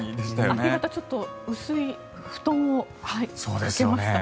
明け方ちょっと薄い布団をかけました。